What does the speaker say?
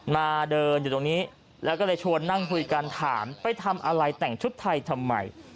มาเดินอยู่ตรงนี้แล้วก็เลยชวนนั่งคุยกันถามไปทำอะไรแต่งชุดไทยทำไม